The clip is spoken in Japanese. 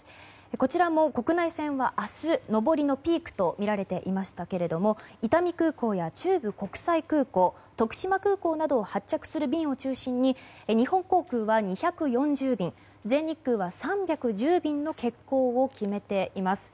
こちらも国内線は明日、上りのピークとみられていましたけれども伊丹空港や中部国際空港徳島空港などを発着する便を中心に日本航空は２４０便全日空は３１０便の欠航を決めています。